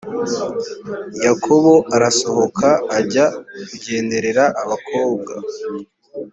yakobo arasohoka ajya kugenderera abakobwa